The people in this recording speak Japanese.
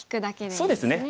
そうですね。